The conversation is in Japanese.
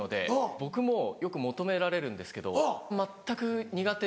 僕もよく求められるんですけど全く苦手で。